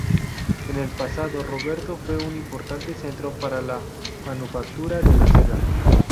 En el pasado Rovereto fue un importante centro para la manufactura de la seda.